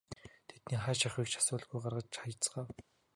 Тэдний хааш явахыг ч асуулгүй гаргаж хаяцгаав.